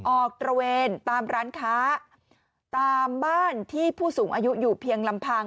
ตระเวนตามร้านค้าตามบ้านที่ผู้สูงอายุอยู่เพียงลำพัง